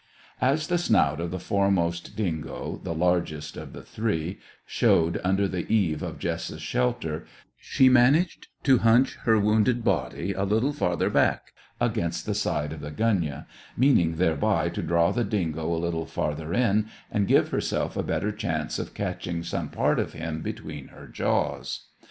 As the snout of the foremost dingo, the largest of the three, showed under the eave of Jess's shelter, she managed to hunch her wounded body a little farther back against the side of the gunyah, meaning thereby to draw the dingo a little farther in, and give herself a better chance of catching some part of him between her jaws.